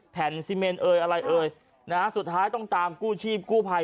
ซีเมนเอ่ยอะไรเอ่ยนะฮะสุดท้ายต้องตามกู้ชีพกู้ภัย